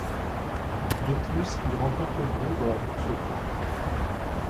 De plus, il remporte le bronze dans la course aux points.